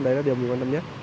đấy là điều mình quan tâm nhất